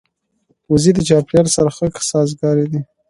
وزې د چاپېریال سره ښه سازګارې دي